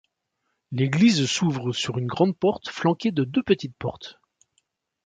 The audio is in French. L'église s'ouvre sur une grande porte, flanquée de deux petites portes.